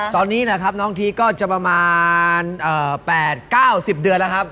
ตอนนี้นะครับน้องทีก็จะประมาณ๘๙๐เดือนแล้วครับ